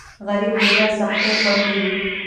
غریب د ژوند سختۍ خوړلي وي